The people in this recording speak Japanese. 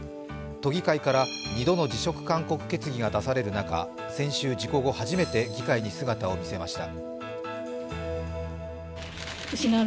都議会から２度の辞職勧告決議が出される中、先週、事故後、初めて議会に姿を見せました。